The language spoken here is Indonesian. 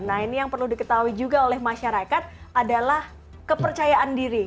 nah ini yang perlu diketahui juga oleh masyarakat adalah kepercayaan diri